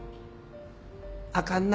あかんな。